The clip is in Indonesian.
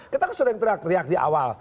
kita kan sudah yang teriak teriak di awal